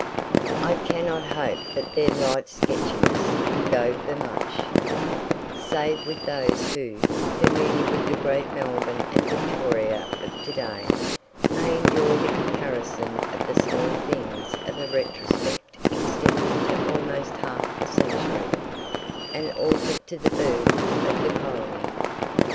I cannot hope that their light sketchiness can go for much, save with those who, familiar with the great Melbourne and Victoria of to day, may enjoy the comparison of the small things of a retrospect extending to almost half a century, and all but to the birth of the colony.